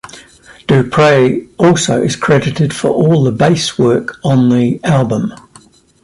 DuPree also is credited for all of the bass work on the album.